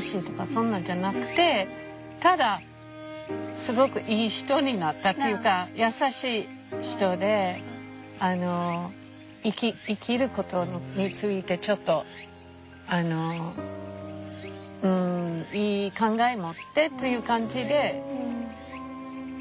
そんなんじゃなくてただすごくいい人になったっていうか優しい人で生きることについてちょっといい考え持ってという感じで望んでるのね。